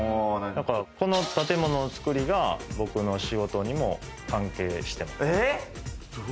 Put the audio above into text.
この建物の造りが、僕の仕事にも関係してます。